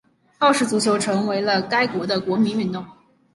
澳式足球成为了该国的国民运动。